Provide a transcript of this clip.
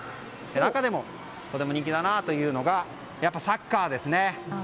中でも、とても人気なのがやっぱりサッカーですね。